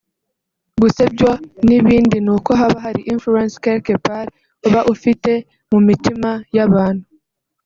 gusebywa n’ibindi ni uko haba hari influence quelque part uba ufite mu mitima y’abantu